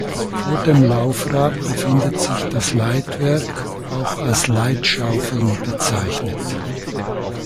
Vor dem Laufrad befindet sich das Leitwerk, auch als Leitschaufeln bezeichnet.